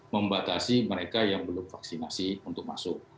membatasi mereka yang belum vaksinasi untuk masuk